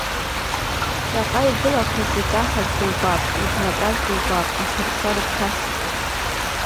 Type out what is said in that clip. Ҵаҟа игылақәаз икаҳаз дубап, иблаҟьаз дубап, ахыԥша рыгәҭасит.